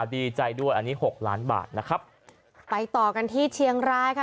ดีใจด้วยอันนี้หกล้านบาทนะครับไปต่อกันที่เชียงรายค่ะ